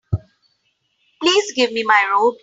Please give me my robe.